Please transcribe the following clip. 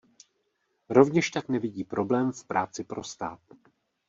Rovněž tak nevidí problém v práci pro stát.